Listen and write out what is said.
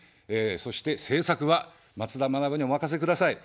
そして政策は、松田学にお任せください。